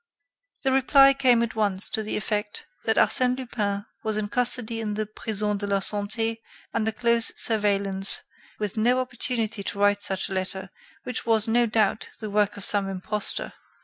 The reply came at once to the effect that Arsène Lupin was in custody in the Prison de la Santé, under close surveillance, with no opportunity to write such a letter, which was, no doubt, the work of some imposter.